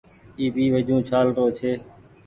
اي پي وجون ڇآل رو ڇي ۔